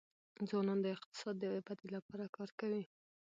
ځوانان د اقتصاد د ودي لپاره کار کوي.